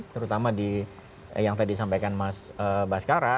terutama yang tadi sampaikan mas abaskara